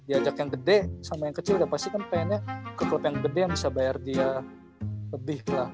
diajak yang gede sama yang kecil udah pasti kan pengennya ke klub yang gede yang bisa bayar dia lebih lah